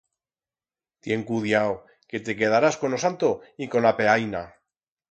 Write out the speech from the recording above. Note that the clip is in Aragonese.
Tien cudiau, que te quedarás con o santo y con a peaina.